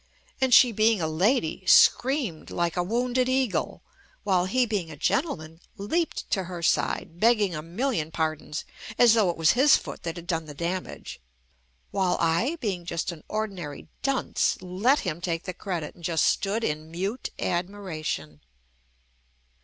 And she being a lady, screamed like a wounded eagle ; while he being a gentle man leapt to her side begging a million par dons as though it was his foot that had done the damage, while I being just an ordinary dunce let him take the credit and just stood in mute admiration.